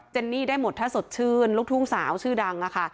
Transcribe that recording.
นี่ได้หมดถ้าสดชื่นลูกทุ่งสาวชื่อดังอะค่ะ